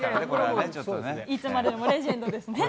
いつまでもレジェンドですね。